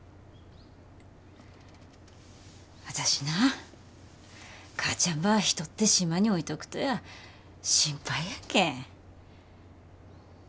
私な母ちゃんば一人で島に置いとくとや心配やけん。